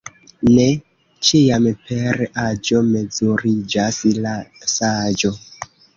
Ne ĉiam per aĝo mezuriĝas la saĝo.